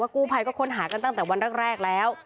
กู้ภัยก็ค้นหากันตั้งแต่วันแรกแล้ว